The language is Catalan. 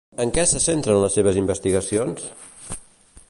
En què se centren les seves investigacions?